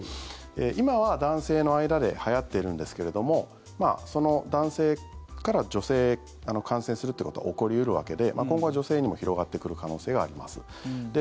今は男性の間ではやっているんですけれども男性から女性へ感染するということは起こり得るわけで今後は女性にも広がってくる可能性があります。